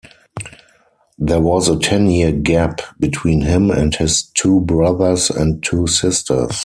There was a ten-year gap between him and his two brothers and two sisters.